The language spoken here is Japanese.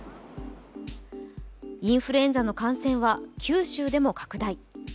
インフルエンザの感染は九州でも拡大。